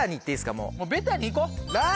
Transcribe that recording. もうベタに行こう。